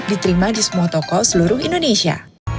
diterima di semua toko seluruh indonesia